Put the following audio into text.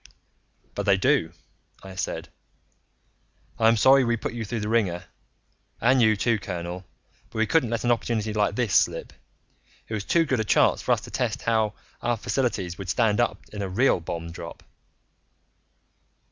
"But they do," I said. "I'm sorry we put you through the wringer and you too, colonel but we couldn't let an opportunity like this slip. It was too good a chance for us to test how our facilities would stand up in a real bomb drop."